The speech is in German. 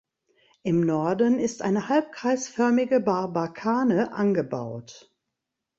Im Norden ist eine halbkreisförmige Barbakane angebaut.